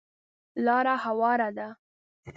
لاره هواره ده .